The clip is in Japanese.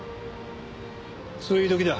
そういう時だ。